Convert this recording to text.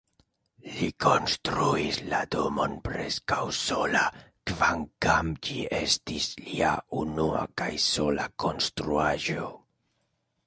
Li konstruis la domon preskaŭ sola, kvankam ĝi estis lia unua kaj sola konstruaĵo.